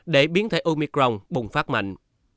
ba để biến thể omicron bùng phát mạnh